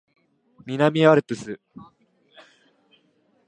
南アルプス